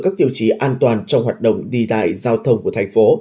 các tiêu chí an toàn trong hoạt động đi lại giao thông của thành phố